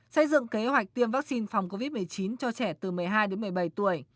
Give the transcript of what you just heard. xây dựng kế hoạch tiêm vaccine phòng covid một mươi chín cho trẻ từ một mươi hai đến một mươi bảy tuổi